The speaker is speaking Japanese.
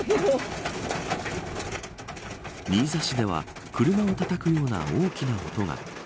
新座市では、車をたたくような大きな音が。